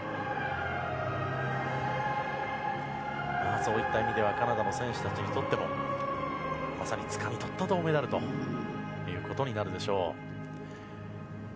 そういった意味ではカナダの選手たちにとってもまさに、つかみ取った銅メダルということになるでしょう。